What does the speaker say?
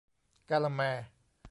กาละแมร์